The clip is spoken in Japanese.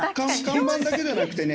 看板だけではなくてね